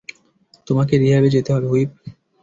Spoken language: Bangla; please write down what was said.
তোমাকে রিহ্যাবে যেতে হবে, হুইপ।